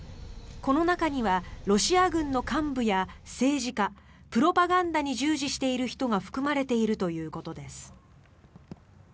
この中にはロシア軍の幹部や政治家プロパガンダに従事している人が含まれているということです。